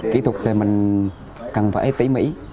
kỹ thuật thì mình cần phải tỉ mỉ